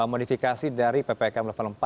modifikasi dari ppkm level empat